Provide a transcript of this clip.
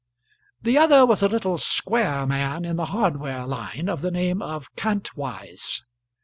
The other was a little square man in the hardware line, of the name of Kantwise.